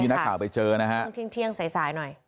นักข่าวไปเจอนะฮะช่วงเที่ยงสายสายหน่อย